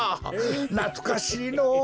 なつかしいのぉ！